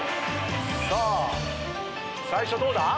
さあ最初どうだ？